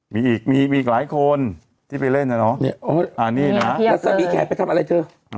มีอีกมีอีกหลายคนที่ไปเล่นแล้วเนอะเนี้ยอ๋ออ่านี่น่ะนัสมีแขกไปทำอะไรเถอะ